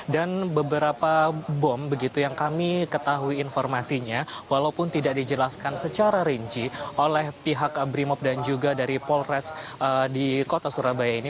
dan beberapa bom begitu yang kami ketahui informasinya walaupun tidak dijelaskan secara rinci oleh pihak abrimob dan juga dari polrestabes di kota surabaya ini